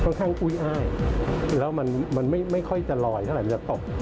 ข้างอุ้ยอ้ายแล้วมันไม่ค่อยจะลอยเท่าไหร่มันจะตก